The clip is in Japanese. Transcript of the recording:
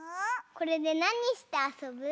これでなにしてあそぶ？